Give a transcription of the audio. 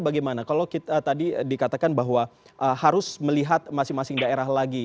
bagaimana kalau tadi dikatakan bahwa harus melihat masing masing daerah lagi